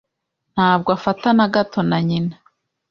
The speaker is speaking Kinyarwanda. Ntabwo afata na gato na nyina.